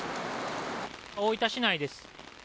大分市内です。